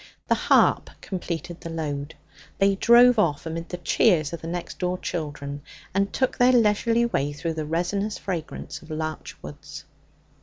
The harp completed the load. They drove off amid the cheers of the next door children, and took their leisurely way through the resinous fragrance of larch woods.